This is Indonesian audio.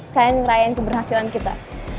sekalian ngerayain keberhasilan kita